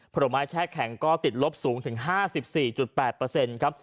ผลไม้แช่แข็งก็ติดลบสูงถึง๕๔๘เปอร์เซ็นต์ครับ